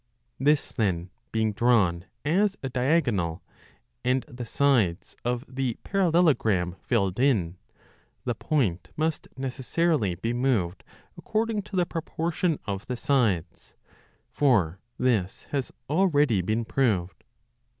This then being drawn as a diagonal, and the sides of the parallelogram filled in, the point must necessarily be moved according to the proportion of the sides ; for this has already been 30 proved.